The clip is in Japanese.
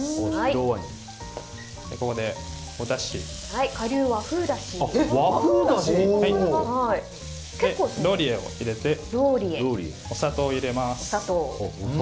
ローリエを入れてお砂糖を入れます。